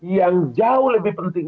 yang jauh lebih penting